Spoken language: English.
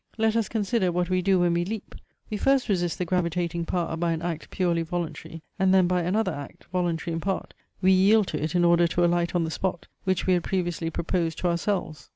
Let us consider what we do when we leap. We first resist the gravitating power by an act purely voluntary, and then by another act, voluntary in part, we yield to it in order to alight on the spot, which we had previously proposed to ourselves.